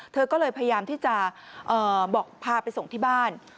เธอก็เลยพยายามที่จะบอกพาไปส่งที่บ้าน